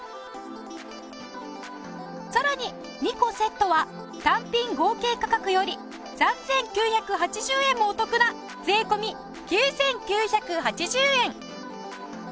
さらに２個セットは単品合計価格より３９８０円もお得な税込９９８０円。